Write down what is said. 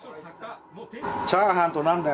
チャーハンとなんだよ？